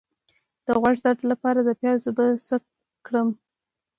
د غوږ درد لپاره د پیاز اوبه څه کړم؟